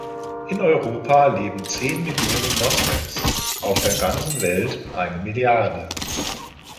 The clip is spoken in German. In Europa leben zehn Millionen Moslems, auf der ganzen Welt eine Milliarde.